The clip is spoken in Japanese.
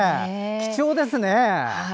貴重ですね！